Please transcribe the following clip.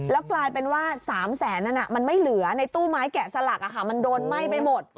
แล้วกลายเป็นว่า๓แสนนั้นมันไม่เหลือในตู้ไม้แกะสลักมันโดนไหม้ไปหมด